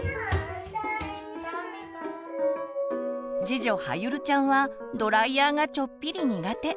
次女はゆるちゃんはドライヤーがちょっぴり苦手。